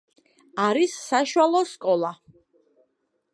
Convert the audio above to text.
არის საშუალო სკოლა.